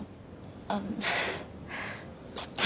あっちょっと。